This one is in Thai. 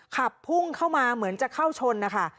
ขับพุ่งเข้ามาเหมือนจะเข้าชนนะคะ